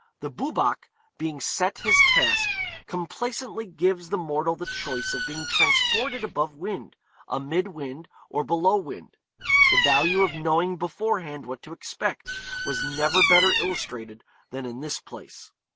The Boobach being set his task, complaisantly gives the mortal the choice of being transported above wind, amid wind, or below wind. The value of knowing beforehand what to expect, was never better illustrated than in this place.